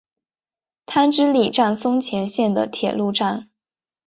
汤之里站松前线的铁路站。